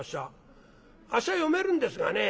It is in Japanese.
あっしは読めるんですがね